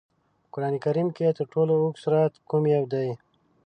په قرآن کریم کې تر ټولو لوږد سورت کوم یو دی؟